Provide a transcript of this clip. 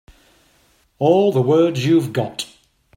All the words you've got.